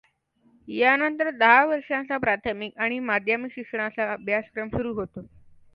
यानंतर दहा वर्षांचा प्राथमिक आणि माध्यमिक शिक्षणाचा अभ्यासक्रम सुरू होतो.